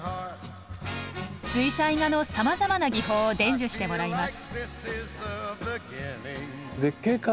水彩画のさまざまな技法を伝授してもらいます。